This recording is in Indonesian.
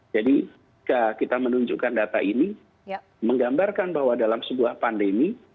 jadi kita menunjukkan data ini menggambarkan bahwa dalam sebuah pandemi